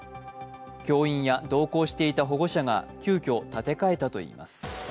教員や同行していた保護者が急きょ、立て替えたといいます。